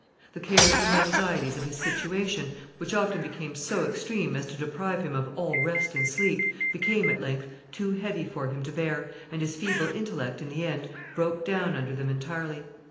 The cares and anxieties of his situation, which often became so extreme as to deprive him of all rest and sleep, became, at length, too heavy for him to bear, and his feeble intellect, in the end, broke down under them entirely.